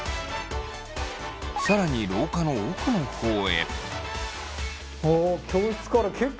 更に廊下の奥の方へ。